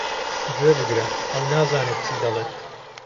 گوێبگرە، ئەو نازانێت چی دەڵێت.